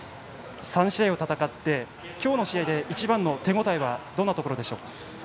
３試合を戦って今日の試合の一番の手応えはどこでしょうか？